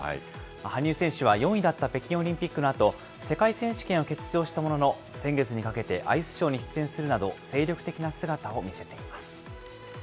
羽生選手は４位だった北京オリンピックのあと、世界選手権を欠場したものの、先月にかけてアイスショーに出演するなど、精力的な姿を見せています。